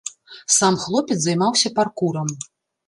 Сам хлопец займаўся паркурам.